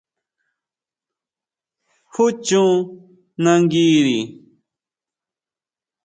¿Jú chon nanguiri?